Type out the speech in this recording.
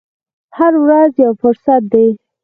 هره ورځ یو فرصت دی.